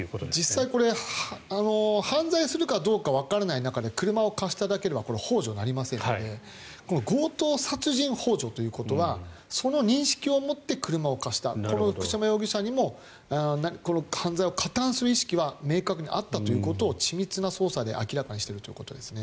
実際、これ犯罪するかどうかわからない中で車を貸しただけではこれは、ほう助になりませんので強盗殺人ほう助ということはその認識を持って車を貸したこの福島容疑者にも犯罪に加担する意識は明確にあったということを緻密な捜査で明らかにしているということですね。